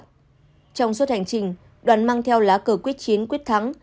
trong suốt hành trình đoàn mang theo lá cờ quyết chiến quyết thắng